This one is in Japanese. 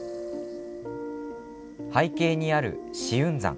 背景にある紫雲山。